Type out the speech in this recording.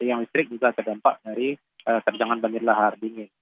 yang listrik juga terdampak dari terjangan banjir lahar dingin